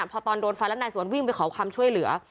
พอตอนโดนฟันแล้วนายสวนวิ่งไปขอความช่วยเหลือ